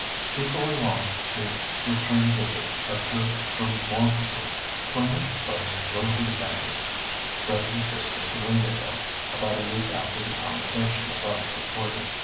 Before long a return visit occurred from Wantabalree, from which place Willoughby Dacre drove his sister to Windāhgil about a week after the conversation above recorded.